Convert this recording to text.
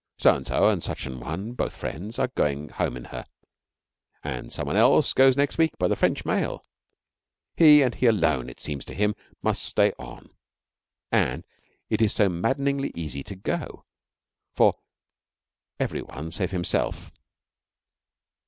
So and so and such an one, both friends, are going home in her, and some one else goes next week by the French mail. He, and he alone, it seems to him, must stay on; and it is so maddeningly easy to go for every one save himself.